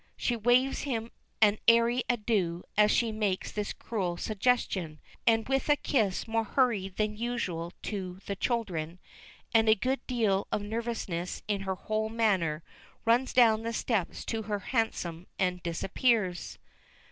She waves him an airy adieu as she makes this cruel suggestion, and with a kiss more hurried than usual to the children, and a good deal of nervousness in her whole manner, runs down the steps to her hansom and disappears.